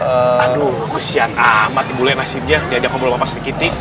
aduh kesian amat bule nasibnya dia udah ngomong sama pak serikiti